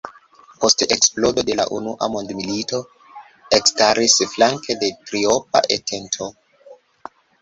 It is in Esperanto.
Post eksplodo de la unua mondmilito ekstaris flanke de Triopa Entento.